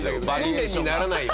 訓練にならないよ